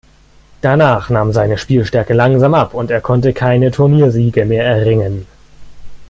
Danach nahm seine Spielstärke langsam ab und er konnte keine Turniersiege mehr erringen.